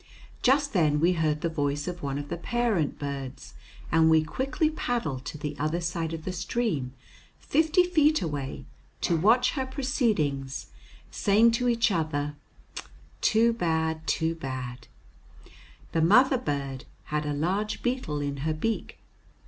Just then we heard the voice of one of the parent birds, and we quickly paddled to the other side of the stream, fifty feet away, to watch her proceedings, saying to each other, "Too bad! too bad!" The mother bird had a large beetle in her beak.